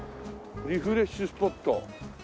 「リフレッシュスポット」。